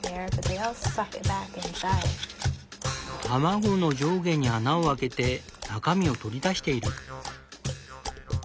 卵の上下に穴をあけて中身を取り出している。